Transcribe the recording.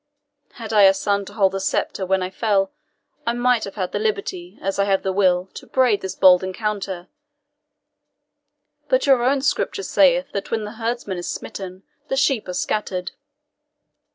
Had I a son to hold the sceptre when I fell, I might have had the liberty, as I have the will, to brave this bold encounter; but your own Scripture saith that when the herdsman is smitten, the sheep are scattered."